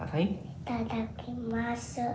いただきます。